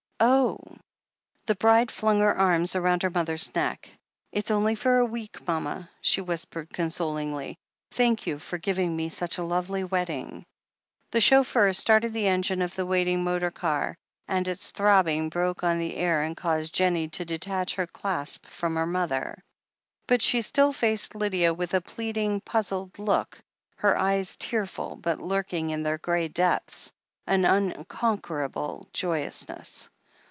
"Oh !" The bride flung her arms round her mother's neck. "It's only for a week, mama," she whispered, con solingly. "Thank you for giving me such a lovely wedding " The chauffeur started the engine of the waiting motor car, and its throbbing broke on the air and caused Jennie to detach her clasp from her mother. But she still faced Lydia with a pleading, puzzled look, her eyes tearful, but, lurking in their grey depths, an unconquerable joyousness.